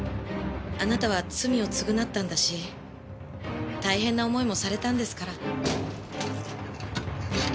あなたは罪を償ったんだし大変な思いもされたんですから。